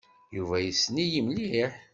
Yuba yessen-iyi mliḥ.